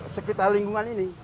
sekitar lingkungan ini